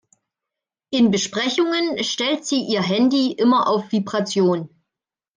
In Besprechungen stellt sie ihr Handy immer auf Vibration.